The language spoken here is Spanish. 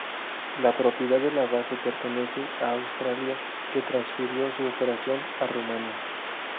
La propiedad de la base pertenece a Australia, que transfirió su operación a Rumania.